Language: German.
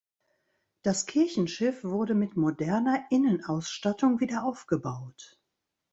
Das Kirchenschiff wurde mit moderner Innenausstattung wieder aufgebaut.